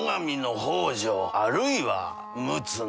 あるいは陸奥の。